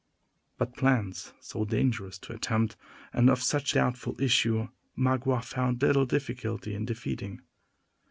But plans so dangerous to attempt, and of such doubtful issue, Magua found little difficulty in defeating.